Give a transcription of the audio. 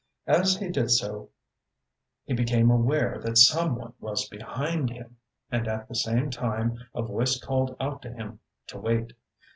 As he did so he became aware that some one was behind him, and at the same time a voice called out to him to wait.